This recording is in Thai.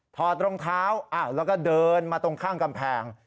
ถอดรองเท้าแล้วก็เดินมาตรงข้างกำแพง